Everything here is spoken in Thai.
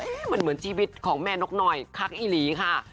เอ๊ะมันเหมือนชีวิตของแม่นกนอยคักอีหลีค่ะ